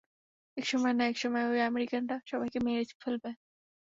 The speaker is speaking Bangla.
একসময় না একসময়, ঐ আমেরিকানরা সবাইকেই মেরে ফেলবে।